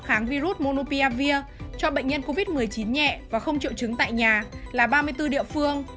kháng virus monopiavir cho bệnh nhân covid một mươi chín nhẹ và không triệu chứng tại nhà là ba mươi bốn địa phương